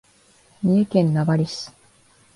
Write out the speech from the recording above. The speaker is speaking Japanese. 三重県名張市